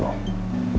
nggak keliasan mungkin